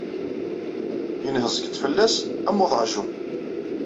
Yenheẓgeṭ fell-as am uḍeɛjun.